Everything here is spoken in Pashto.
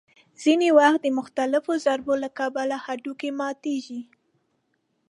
ځینې وخت د مختلفو ضربو له کبله هډوکي ماتېږي.